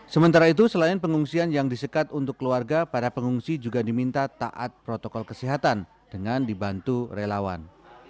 sementara itu selain pengungsian yang disekat untuk keluarga para pengungsi juga diminta taat protokol kesehatan dengan dibantu relawan